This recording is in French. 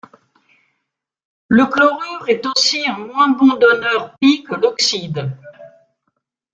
Le chlorure est aussi un moins bon donneur π que l'oxyde.